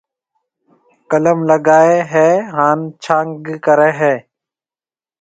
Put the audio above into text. قلم لگائيَ ھيََََ ھان ڇانگ ڪرَي ھيََََ